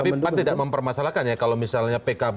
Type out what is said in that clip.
tapi pan tidak mempermasalahkan ya kalau misalnya pkb